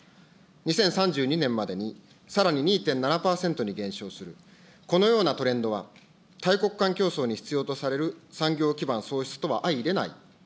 ２０３２年までに、さらに２．７％に減少する、このようなトレンドは、大国間競争に必要とされる産業基盤創出とは相いれない。